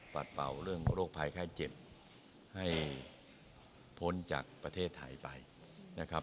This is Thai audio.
เป่าเรื่องโรคภัยไข้เจ็บให้พ้นจากประเทศไทยไปนะครับ